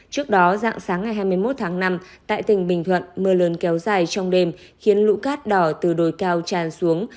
trước đó dạng sáng ngày hai mươi một tháng năm tại tỉnh bình thuận mưa lớn kéo dài trong đêm khiến lũ cát đỏ từ đồi cao tràn xuống